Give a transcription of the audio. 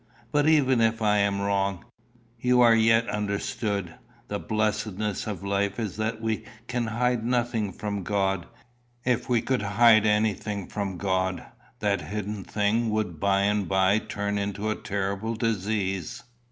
"But even if I am wrong, you are yet understood. The blessedness of life is that we can hide nothing from God. If we could hide anything from God, that hidden thing would by and by turn into a terrible disease.